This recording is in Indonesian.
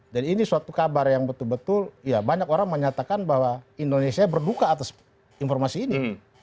dan ini suatu kabar yang betul betul ya banyak orang menyatakan bahwa indonesia berduka atas informasi ini